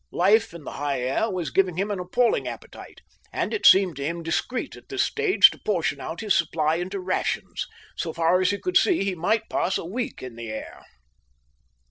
Life in the high air was giving him an appalling appetite, and it seemed to him discreet at this stage to portion out his supply into rations. So far as he could see he might pass a week in the air.